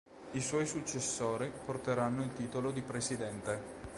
I suoi successori porteranno il titolo di presidente.